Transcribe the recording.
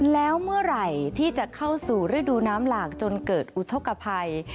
แล้วเมื่อไหร่ที่จะเข้าสู่ฤดูน้ำหลากจนเกิดอุทธกภัย